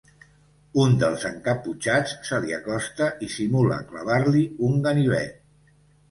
Un dels encaputxats se li acosta i simula clavar-li un ganivet.